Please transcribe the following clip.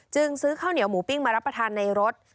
ซื้อข้าวเหนียวหมูปิ้งมารับประทานในรถ